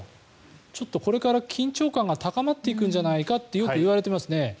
ちょっとこれから緊張感が高まっていくんじゃないかとよく言われていますね。